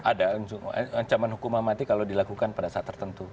ada ancaman hukuman mati kalau dilakukan pada saat tertentu